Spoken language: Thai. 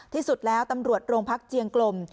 ที่สุดแล้วตำรวจโรงพักเจียงกลม